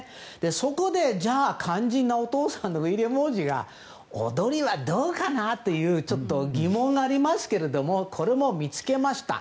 そこで、じゃあ肝心お父さんのウィリアム王子が踊りはどうかな？という疑問はありますけどこれも見つけました。